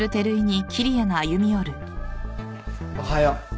おはよう。